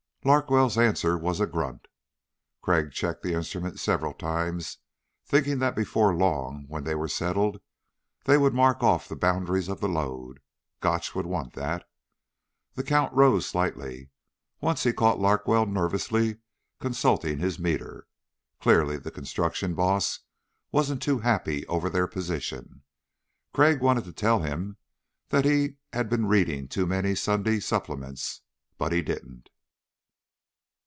Larkwell's answer was a grunt. Crag checked the instrument several times thinking that before long when they were settled they would mark off the boundaries of the lode. Gotch would want that. The count rose slightly. Once he caught Larkwell nervously consulting his meter. Clearly the construction boss wasn't too happy over their position. Crag wanted to tell him he had been reading too many Sunday supplements but didn't.